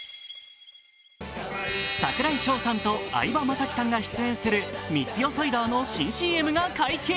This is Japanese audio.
櫻井翔さんと相葉雅紀さんが出演する三ツ矢サイダーの新ＣＭが解禁。